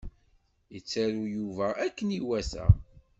Yettaru Yuba akken iwata.